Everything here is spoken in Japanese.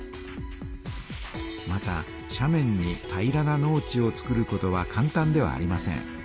またしゃ面に平らな農地をつくることはかん単ではありません。